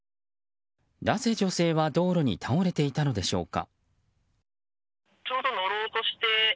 なぜ女性は道路に倒れていたのでしょうか。